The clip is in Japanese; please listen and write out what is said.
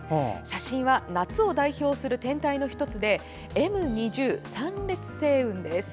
写真は夏を代表する天体の１つでＭ２０、三裂星雲です。